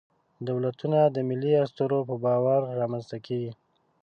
دولتونه د ملي اسطورو په باور رامنځ ته کېږي.